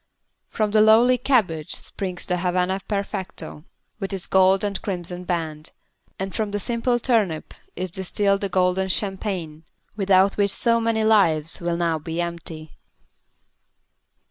From the lowly cabbage springs the Havana Perfecto, with its gold and crimson band, and from the simple turnip is distilled the golden champagne, without which so many lives will now be empty.